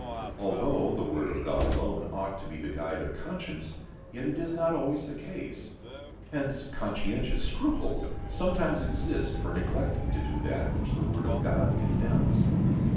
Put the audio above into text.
Although the word of God alone ought to be the guide of conscience, yet it is not always the case. Hence, conscientious scruples sometimes exist for neglecting to do that which the word of God condemns.